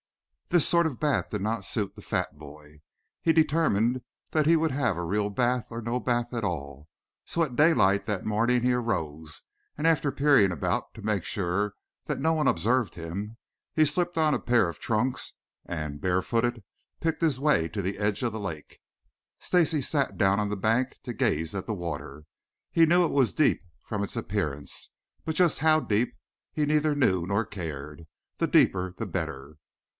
This sort of bath did not suit the fat boy. He determined that he would have a real bath or no bath at all, so at daylight that morning he arose, and after peering about to make sure that no one observed him, slipped on a pair of trunks and, barefooted, picked his way to the edge of the lake. Stacy sat down on the bank to gaze at the water. He knew it was deep from its appearance, but just how deep he neither knew nor cared. The deeper the better.